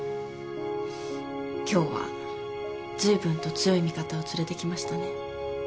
今日はずいぶんと強い味方を連れてきましたね。